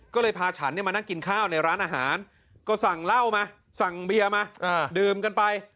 ก็เลยพาฉันมานั่งกินข้าวในร้านอาหารก็สั่งเหล้ามาสั่งเบียร์มาดื่มกันไป